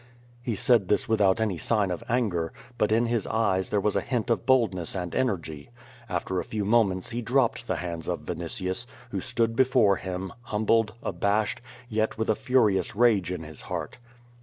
He said this without any sign of anger, but in his eyes QUO VADIS. 45 there was a hint of boldness and energy. After a few mo ments he dropped the hands of Vinitius, who stood before him, humbled, abashed, yet with furious rage in his heart.